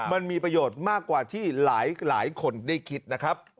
มันมีประโยชน์มากกว่าที่หลายคนได้คิดนะครับ